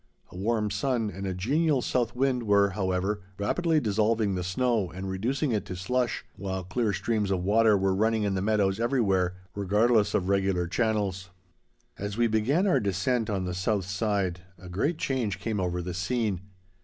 A warm sun and a genial south wind were, however, rapidly dissolving the snow and reducing it to slush, while clear streams of water were running in the meadows everywhere, regardless of regular channels. As we began our descent on the south side, a great change came over the scene.